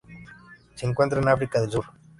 Se encuentran en África del Sur.